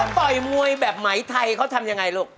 ต่อยมวยแบบไหมไทยเขาทำยังไงลูก